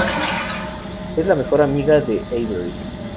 Es la mejor amiga de Avery.